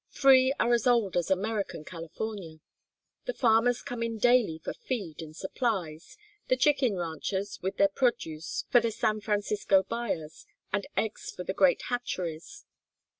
Three are as old as American California. The farmers come in daily for feed and supplies, the chicken ranchers with their produce for the San Francisco buyers, and eggs for the great hatcheries.